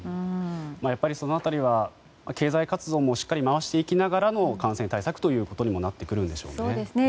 やっぱりその辺りは経済活動をしっかり回していきながらの感染対策ということにもなってくるんでしょうね。